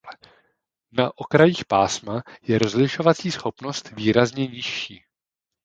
Na okrajích pásma je rozlišovací schopnost výrazně nižší.